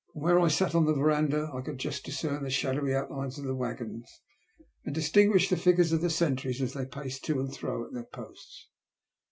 From where I Bat in the verandah, I could just discern the shadowj outline of the waggons, and distinguish the figures 0/ the sentries as they paced to and tro at their posts.